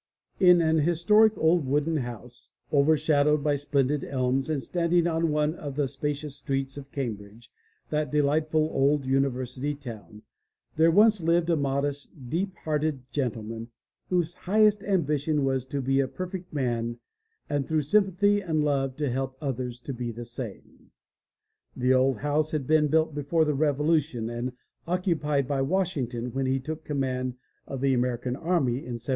N an historic old wooden house, overshadowed by splendid elms and standing on one of the spa cious streets of Cambridge, that delightful old university town, there lived once a modest, deep hearted gentleman whose highest ambition was to be a perfect man and through sympathy and love I \VM^ ^^^^^^ others to be the same. The old house had ■V '^ I been built before the Revolution and occupied by Washington when he took command of the American army in 1776.